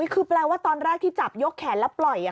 คือแปลว่าตอนแรกที่จับยกแขนแล้วปล่อย